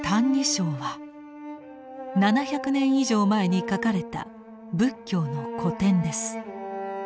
「歎異抄」は７００年以上前に書かれた仏教の古典です。